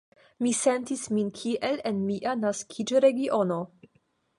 Mi sentis min kiel en mia naskiĝregiono.